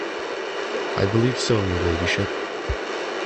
I believe so, your ladyship.